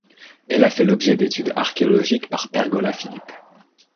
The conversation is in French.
Elle a fait l'objet d'études archéologiques par Pergola Philippe.